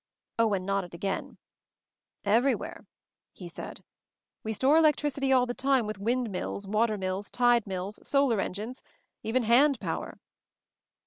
Owen nodded again. "Everywhere," he /said. "We store electricity all the time with / wind mills, water mills, tide mills, solar en I gines — even hand power."